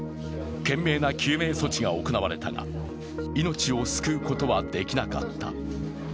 懸命な救命措置が行われたが、命を救うことはできなかった。